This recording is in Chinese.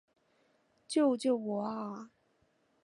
救救我啊！